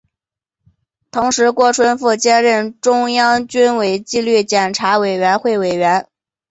同时郭春富兼任中央军委纪律检查委员会委员。